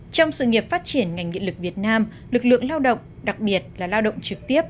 trong sự nghiệp phát triển ngành điện lực việt nam lực lượng lao động đặc biệt là lao động trực tiếp